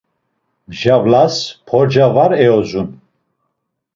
Mjalvas porca var eyodzun.